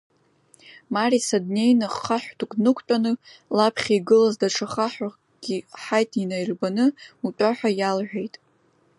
Мариса днеины хаҳәдук днықәтәаны, лаԥхьа игылаз даҽа хаҳәыкгьы Ҳаиҭ инаирбаны, утәа ҳәа иалҳәеит.